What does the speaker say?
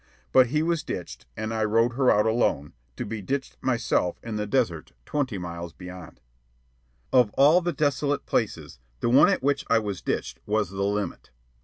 But he was ditched, and I rode her out alone, to be ditched myself in the desert twenty miles beyond. Of all desolate places, the one at which I was ditched was the limit.